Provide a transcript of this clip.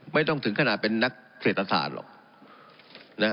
ไม่ต้องถึงขนาดเป็นนักเศรษฐศาสตร์หรอก